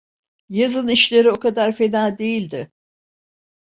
Yazın işleri o kadar fena değildi.